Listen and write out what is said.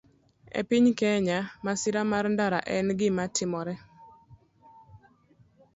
E piny Kenya, masira mar ndara en gima timore